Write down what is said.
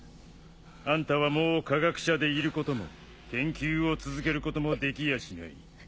あんたはもう科学者でいることも研究を続けることもできやしない。